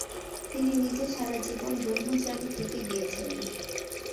তিনি নিজে সারাজীবন ব্রহ্মচারী থেকে গিয়েছিলেন।